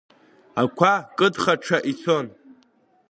Ақәа кыдхаҽа ицон.